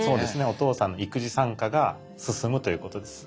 お父さんの育児参加が進むということです。